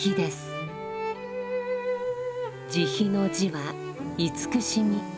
慈悲の「慈」は慈しみ。